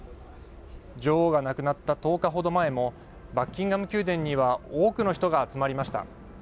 女王が亡くなった１０日ほど前もバッキンガム宮殿には多くの人が集まりました。